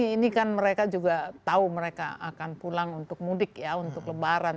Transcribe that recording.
ini kan mereka juga tahu mereka akan pulang untuk mudik ya untuk lebaran